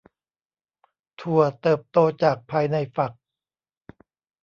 ถั่วเติบโตจากภายในฝัก